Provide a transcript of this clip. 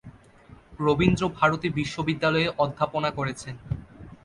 রবীন্দ্রভারতী বিশ্ববিদ্যালয়ে অধ্যাপনা করেছেন।